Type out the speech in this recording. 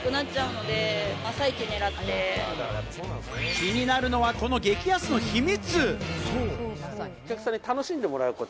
気になるのは、この激安の秘密。